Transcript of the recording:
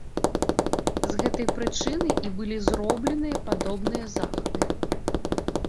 З гэтай прычыны і былі зробленыя падобныя захады.